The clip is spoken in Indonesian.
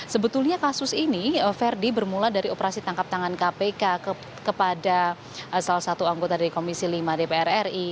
sebetulnya kasus ini verdi bermula dari operasi tangkap tangan kpk kepada salah satu anggota dari komisi lima dpr ri